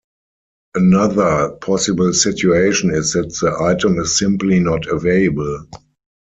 Another possible situation is that the item is simply not available.